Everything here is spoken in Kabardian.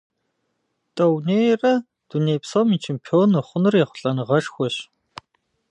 Тӏэунейрэ дуней псом и чемпион ухъуныр ехъулӏэныгъэшхуэщ.